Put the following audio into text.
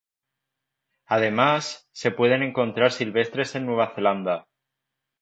Además, se pueden encontrar silvestres en Nueva Zelanda.